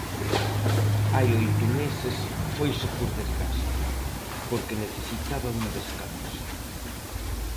Hai oito meses foise por desgaste, porque necesitaba un descanso.